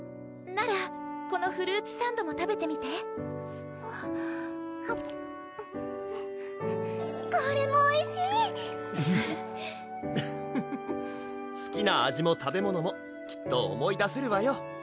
ならこのフルーツサンドも食べてみてこれもおいしいすきな味も食べ物もきっと思い出せるわよ